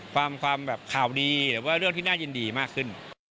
อย่างราวนรู้ตอนหน่อยกว่าห้าวหรือการเรียนเรื่องที่ได้ยินดีรึบมากขึ้น